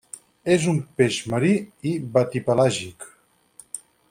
És un peix marí i batipelàgic.